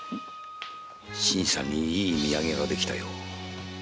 新さんにいい土産ができたよ。